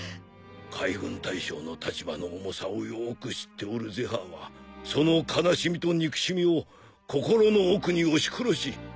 海軍大将の立場の重さをよく知っておるゼファーはその悲しみと憎しみを心の奥に押し殺し任務に没頭した。